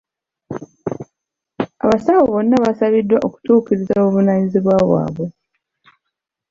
Abasawo bonna baasabiddwa okutuukiriza obuvunaanyizibwa bwabwe.